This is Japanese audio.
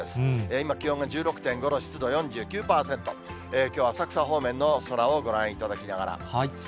今、気温が１６．５度、湿度４９％、きょう、浅草方面の空をご覧いただきながら。